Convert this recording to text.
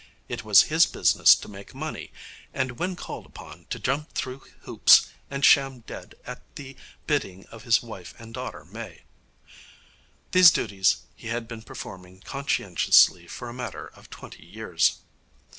It was his business to make money, and, when called upon, to jump through hoops and sham dead at the bidding of his wife and daughter Mae. These duties he had been performing conscientiously for a matter of twenty years.